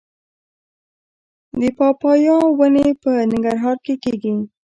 د پاپایا ونې په ننګرهار کې کیږي؟